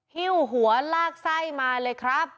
หิ้วหัวลากไส้มาเลยครับ